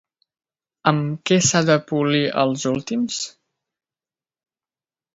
Amb què s'ha de polir els últims?